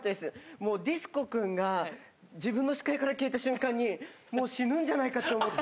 もうディスコ君が自分の視界から消えた瞬間に、もう死ぬんじゃないかと思って。